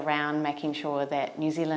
trong những năm qua bốn mươi năm năm